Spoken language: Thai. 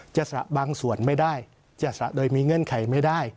สระบางส่วนไม่ได้จะสระโดยมีเงื่อนไขไม่ได้